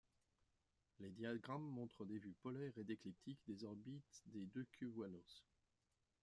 Les diagrammes montrent des vues polaires et d'écliptique des orbites des deux cubewanos.